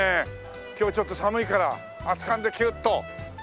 今日ちょっと寒いから熱かんでキュッと。